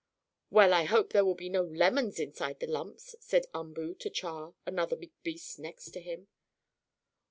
"Well, I hope there will be no lemons inside the lumps," said Umboo to Char, another big beast next to him.